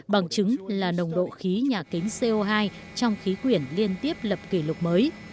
bằng chứng là nồng độ khí nhà kính co hai trong khí quyển liên tiếp lập kỷ lục mới